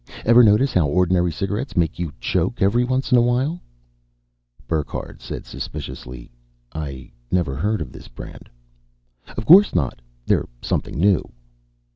Ever notice how ordinary cigarettes make you choke every once in a while?" Burckhardt said suspiciously, "I never heard of this brand." "Of course not. They're something new."